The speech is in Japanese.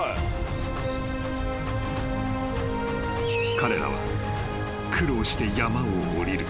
［彼らは苦労して山を下りる］